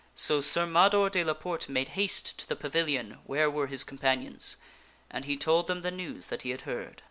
So Sir Mador de la Porte made haste to the pavilion where were his companions, and he told them the news that he had heard.